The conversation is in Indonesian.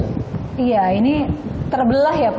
iya ini terbelah ya pak